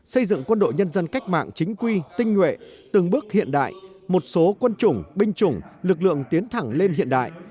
xây dựng quân đội nhân dân cách mạng chính quy tinh nguyện từng bước hiện đại một số quân chủng binh chủng lực lượng tiến thẳng lên hiện đại